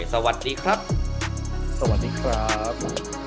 สวัสดีครับสวัสดีครับ